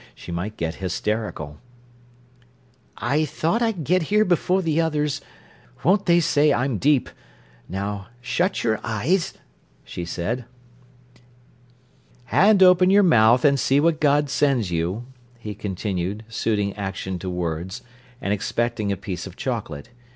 She might get hysterical. "I thought I'd get here before the others—won't they say I'm deep! Now shut your eyes—" she said. "And open your mouth, and see what God sends you," he continued, suiting action to words, and expecting a piece of chocolate.